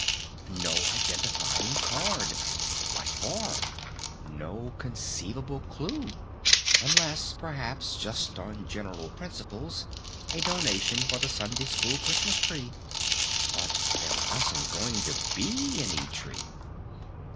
No identifying card! What for? No conceivable clew! Unless perhaps just on general principles a donation for the Sunday School Christmas Tree? But there wasn't going to be any tree!